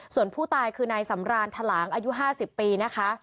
ส่วนผู้ตายคือนายสำรานถลางอายุ๕๐ปีนะคะ